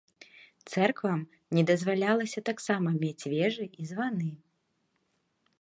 Цэрквам не дазвалялася таксама мець вежы і званы.